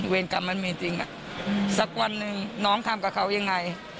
กรรมมันมีจริงสักวันหนึ่งน้องทำกับเขายังไง